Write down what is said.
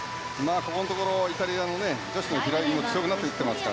ここのところイタリアの女子の平泳ぎも強くなっていますね。